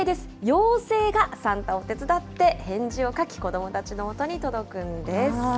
妖精がサンタを手伝って、返事を書き、子どもたちのもとに届くんです。